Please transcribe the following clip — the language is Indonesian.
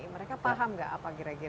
mereka paham nggak apa kira kira yang ini